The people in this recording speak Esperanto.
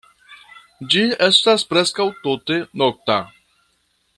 Ĝi estas preskaŭ tute nokta.